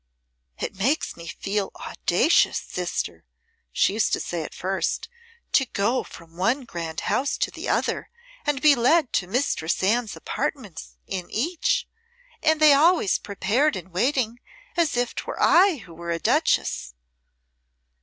"It makes me feel audacious, sister," she used to say at first, "to go from one grand house to the other and be led to Mistress Anne's apartments, in each, and they always prepared and waiting as if 'twere I who were a Duchess."